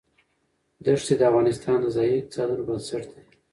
ښتې د افغانستان د ځایي اقتصادونو بنسټ دی.